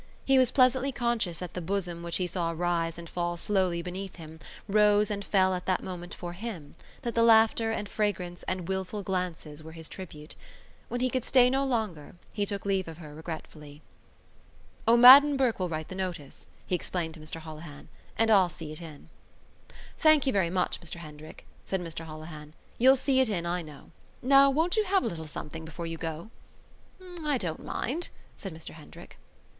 He was pleasantly conscious that the bosom which he saw rise and fall slowly beneath him rose and fell at that moment for him, that the laughter and fragrance and wilful glances were his tribute. When he could stay no longer he took leave of her regretfully. "O'Madden Burke will write the notice," he explained to Mr Holohan, "and I'll see it in." "Thank you very much, Mr Hendrick," said Mr Holohan, "you'll see it in, I know. Now, won't you have a little something before you go?" "I don't mind," said Mr Hendrick.